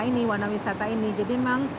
ini warna wisata ini jadi memang